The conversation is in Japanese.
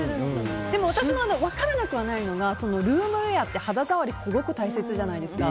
私も分からなくはないのがルームウェアって肌触りすごく大切じゃないですか。